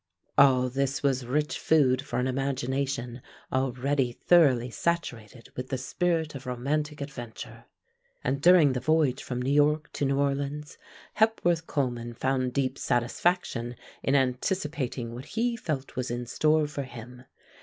All this was rich food for an imagination already thoroughly saturated with the spirit of romantic adventure, and during the voyage from New York to New Orleans Hepworth Coleman found deep satisfaction in anticipating what he felt was in store for him.